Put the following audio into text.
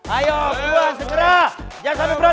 ayo buruan segera